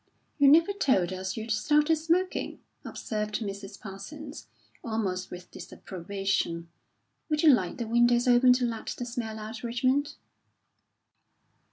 "You never told us you'd started smoking," observed Mrs. Parsons, almost with disapprobation, "Would you like the windows open to let the smell out, Richmond?"